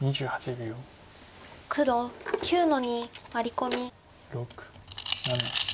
黒９の二ワリコミ。